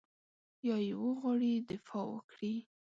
یا یې وغواړي دفاع وکړي.